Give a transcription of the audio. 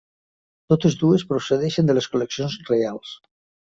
Totes dues procedeixen de les col·leccions reials.